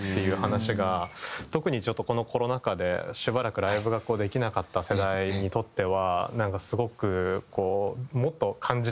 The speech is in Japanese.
特にちょっとこのコロナ禍でしばらくライヴができなかった世代にとってはなんかすごくもっと感じたい。